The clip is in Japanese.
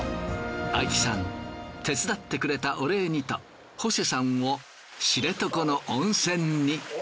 相木さん手伝ってくれたお礼にとホセさんを知床の温泉に。